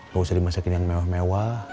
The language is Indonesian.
gak usah dimasakin yang mewah mewah